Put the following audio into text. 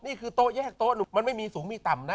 นี่คือโต๊ะแยกโต๊ะมันไม่มีสูงมีต่ำนะ